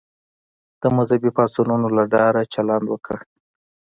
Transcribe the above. د مذهبي پاڅونونو له ډاره چلند وکړ.